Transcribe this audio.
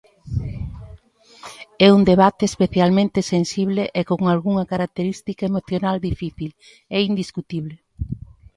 É un debate especialmente sensible e con algunha característica emocional difícil, é indiscutible.